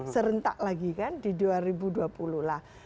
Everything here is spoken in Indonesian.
serentak lagi kan di dua ribu dua puluh lah